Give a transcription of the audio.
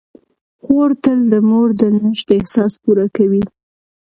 خور تل د مور د نشت احساس پوره کوي.